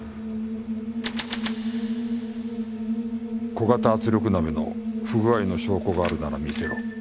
「小型圧力鍋の不具合の証拠があるなら見せろ」